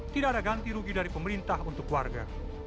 tidak ada ganti rugi dari pemerintah untuk warga